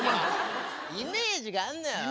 イメージがあんのよ。